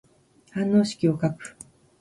反応式を書く。